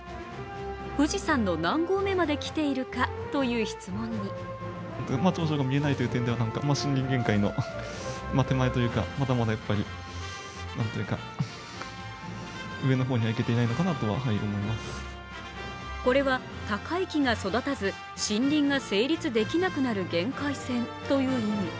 富士山の何合目まで来ているかという質問にこれは高い木が育たず森林が成立できなくなる限界線という意味。